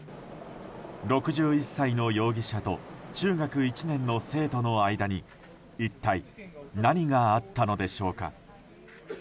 ６１歳の容疑者と中学１年の生徒の間に一体何があったのでしょうか。